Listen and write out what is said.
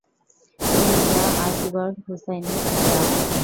তিনি মিয়া আসগর হুসাইনের পিতা।